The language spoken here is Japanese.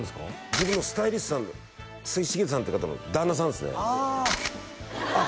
自分のスタイリストさんの繁田さんって方の旦那さんですねあっ